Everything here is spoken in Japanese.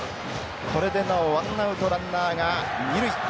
これでなおワンアウトランナーが二塁。